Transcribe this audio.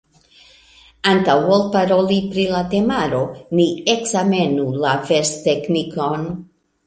Antaŭ ol paroli pri la temaro, ni ekzamenu la versteknikon.